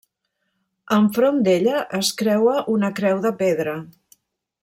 Enfront d'ella es creua una creu de pedra.